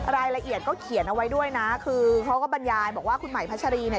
รายละเอียดก็เขียนเอาไว้ด้วยนะคือเขาก็บรรยายบอกว่าคุณหมายพัชรีเนี่ย